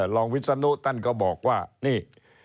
รองวิศนุท่านก็บอกว่านี่